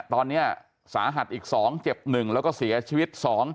ตอนนี้สาหัสอีก๒เจ็บ๑แล้วก็เสียชีวิต๒